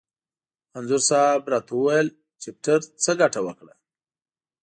انځور صاحب را ته وویل: چپټر څه ګټه وکړه؟